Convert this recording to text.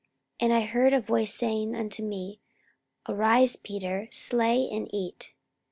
44:011:007 And I heard a voice saying unto me, Arise, Peter; slay and eat.